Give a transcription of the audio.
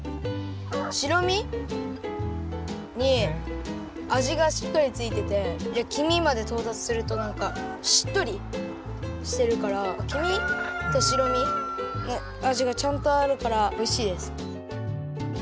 しろみにあじがしっかりついててきみまでとうたつするとなんかしっとりしてるからきみとしろみのあじがちゃんとあるからおいしいです。